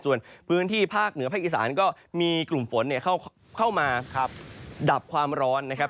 ส่วนพื้นที่ภาคเหนือภาคอีสานก็มีกลุ่มฝนเข้ามาดับความร้อนนะครับ